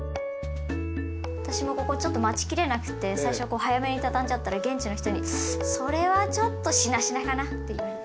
私もここちょっと待ちきれなくて最初こう早めに畳んじゃったら現地の人に「それはちょっとしなしなかな」って言われて。